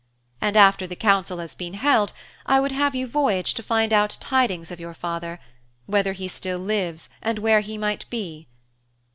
And after the council has been held I would have you voyage to find out tidings of your father, whether he still lives and where he might be.